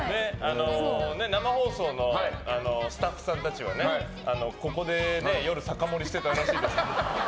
生放送のスタッフさんたちはここで夜酒盛りしてたらしいです。